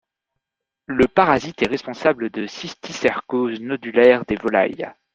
Le parasite est responsable de cysticercoses nodulaires des volailles.